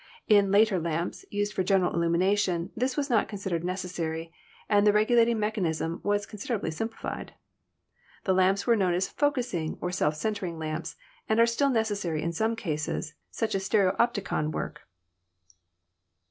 In later lamps, used for general illum ination, this was not considered necessary, and the regu lating mechanism was considerably simplified. The lamps were known as "focussing" or "self centering" lamps, and are still necessary in some cases, such as stereopti con work.